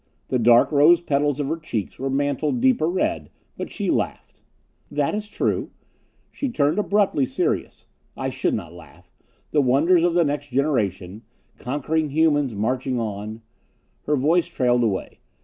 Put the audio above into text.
The dark rose petals of her cheeks were mantled deeper red, but she laughed. "That is true." She turned abruptly serious. "I should not laugh. The wonders of the next generation conquering humans marching on...." Her voice trailed away.